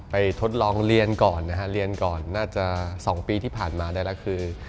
ทดลองเรียนก่อนนะฮะเรียนก่อนน่าจะ๒ปีที่ผ่านมาได้แล้วคือ